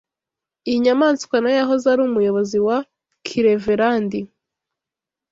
iyi nyamanswa nayo yahoze ari umuyobozi wa kilevelandi